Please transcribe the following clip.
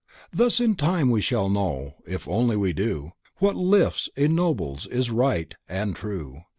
Thus in time we shall know, if only we do What lifts, ennobles, is right and true.